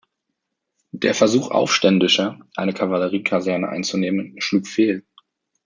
Der Versuch Aufständischer, eine Kavalleriekaserne einzunehmen, schlug fehl.